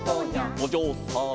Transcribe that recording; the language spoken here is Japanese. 「おじょうさん」